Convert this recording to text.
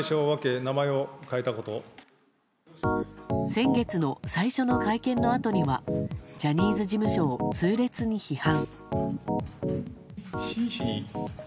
先月の最初の会見のあとにはジャニーズ事務所を痛烈に批判。